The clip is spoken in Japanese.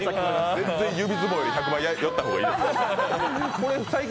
全然指相撲より１００倍やった方がいいです。